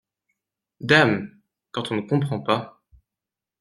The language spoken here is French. Dame !… quand on ne comprend pas !…